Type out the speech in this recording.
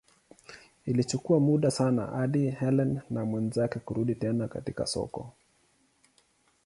Ilichukua muda sana hadi Ellen na mwenzake kurudi tena katika soko.